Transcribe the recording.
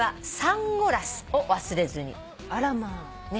あらまあ。